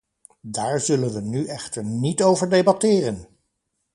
Daar zullen we nu echter niet over debatteren!